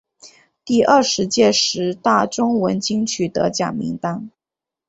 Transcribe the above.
第二十届十大中文金曲得奖名单